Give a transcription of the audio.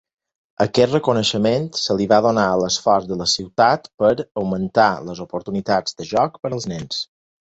Aquest reconeixement se li va donar a l'esforç de la ciutat per "augmentar les oportunitats de joc per als nens".